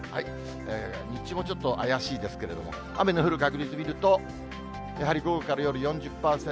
日中もちょっと怪しいですけれども、雨の降る確率見ると、やはり午後から夜４０％。